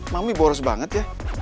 mami boros banget ya